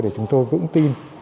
để chúng tôi vững tin